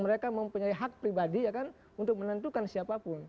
mereka mempunyai hak pribadi ya kan untuk menentukan siapapun